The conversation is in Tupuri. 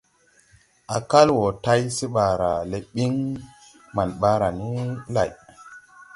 A kal wo tay se ɓaara le ɓiŋ maŋ ɓaara ni lay.